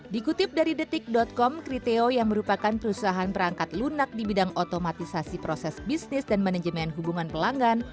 dikutip dari detik com kriteo yang merupakan perusahaan perangkat lunak di bidang otomatisasi proses bisnis dan manajemen hubungan pelanggan